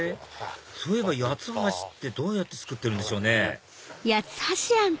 そういえば八つ橋ってどうやって作ってるんでしょうね？